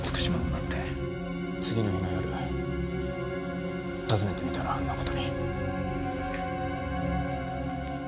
次の日の夜訪ねてみたらあんな事に。